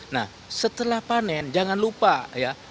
nah setelah panen jangan lupa ya